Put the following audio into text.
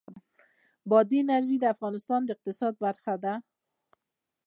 بادي انرژي د افغانستان د اقتصاد برخه ده.